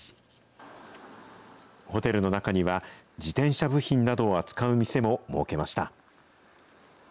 ホテルの中には、自転車部品などを扱う店も設けました。